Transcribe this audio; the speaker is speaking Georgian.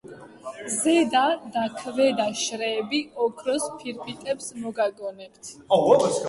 ზედა და ქვედა შრეები ოქროს ფირფიტებს მოგაგონებთ.